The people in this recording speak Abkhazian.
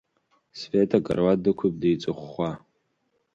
Света акаруаҭ дықәиоуп деиҵыхәхәа.